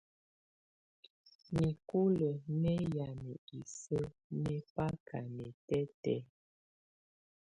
Nikulǝ̀ nɛ̀ yamɛ̀á isǝ́ nɛ̀ baka nɛtɛtɛ̀́́á.